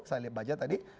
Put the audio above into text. saya lihat saja tadi